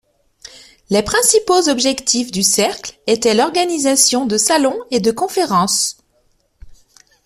Les principaux objectifs du cercle étaient l'organisation de Salons et de conférences.